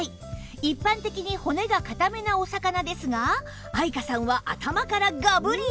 一般的に骨が硬めなお魚ですが愛華さんは頭からガブリ！